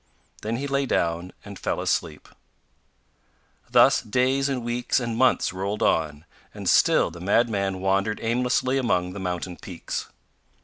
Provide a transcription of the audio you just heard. Then he lay down and fell asleep. Thus days and weeks and months rolled on, and still the madman wandered aimlessly among the mountain peaks.